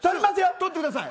取ってください。